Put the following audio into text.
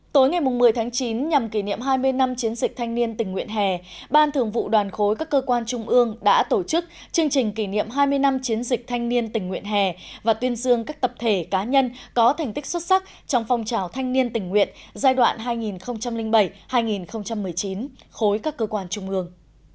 tối ngày một mươi tháng chín nhằm kỷ niệm hai mươi năm chiến dịch thanh niên tình nguyện hè ban thường vụ đoàn khối các cơ quan trung ương đã tổ chức chương trình kỷ niệm hai mươi năm chiến dịch thanh niên tình nguyện hè và tuyên dương các tập thể cá nhân có thành tích xuất sắc trong phong trào thanh niên tình nguyện giai đoạn hai nghìn bảy hai nghìn một mươi chín khối các cơ quan trung ương